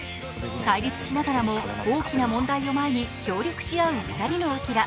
対立しながらも、大きな問題を前に協力し合う２人のアキラ。